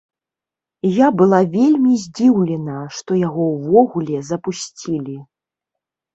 Я была вельмі здзіўлена, што яго ўвогуле запусцілі.